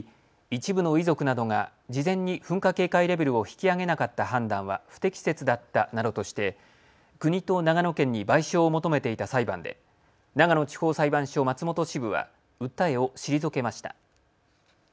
一部の遺族などが事前に噴火警戒レベルを引き上げなかった判断は不適切だったなどとして国と長野県に賠償を求めていた裁判で長野地方裁判所松本支部は訴えを退けました。